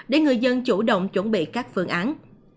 để người dân chủ động chuẩn bị các phương án